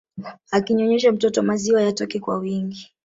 Akinyonyesha mtoto maziwa yatoke kwa wingi